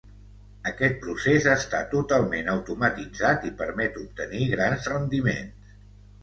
Aquest procés està totalment automatitzat i permet obtenir grans rendiments.